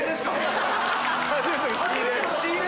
「はじめての仕入れ」。